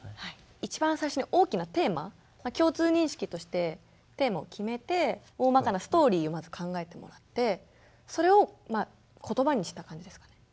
一番最初に大きなテーマ共通認識としてテーマを決めて大まかなストーリーをまず考えてもらってそれを言葉にした感じですかね。